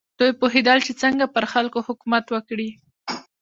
دوی پوهېدل چې څنګه پر خلکو حکومت وکړي.